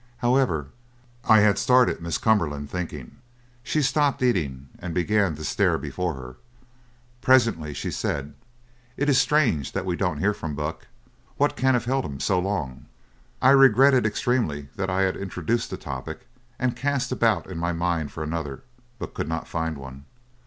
However, I had started Miss Cumberland thinking. She stopped eating and began to stare before her. Presently she said: 'It is strange that we don't hear from Buck. What can have held him so long?' "I regretted extremely that I had introduced the topic and cast about in my mind for another, but could not find one.